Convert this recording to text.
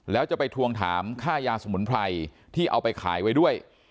แล้วจะไปทวงถามค่ายาสมุนไพรที่เอาไปขายไว้ด้วย